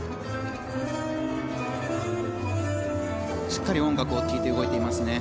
しっかり音楽を聴いて動いていますね。